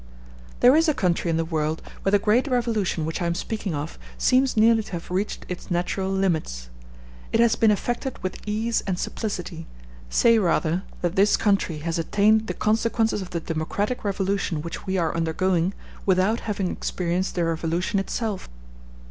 There is a country in the world where the great revolution which I am speaking of seems nearly to have reached its natural limits; it has been effected with ease and simplicity, say rather that this country has attained the consequences of the democratic revolution which we are undergoing without having experienced the revolution itself.